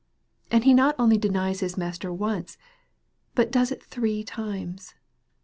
And he not only denies his Master once, but does it three times !